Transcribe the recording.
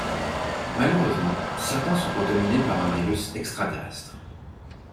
Malheureusement, certains sont contaminés par un virus extraterrestre.